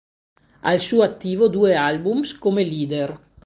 Al suo attivo due albums come leader.